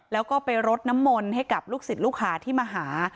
แล้วก็ไปรดน้ำมนต์ให้กับลูกศิษย์ลูกหาที่มาหา